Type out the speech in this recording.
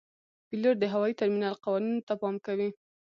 پیلوټ د هوايي ترمینل قوانینو ته پام کوي.